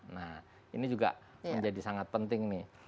nah ini juga menjadi sangat penting nih